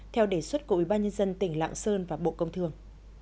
theo đề xuất của ủy ban nhân dân tỉnh lạng sơn và bộ công thường